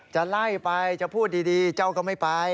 จะไล่ไปจะพูดดีเจ้าก็ไม่ไป